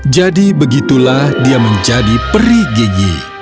jadi begitulah dia menjadi peri gigi